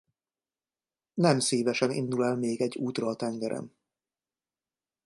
Nem szívesen indul el még egy útra a tengeren.